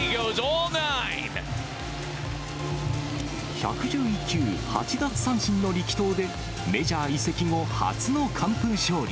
１１１球、８奪三振の力投で、メジャー移籍後、初の完封勝利。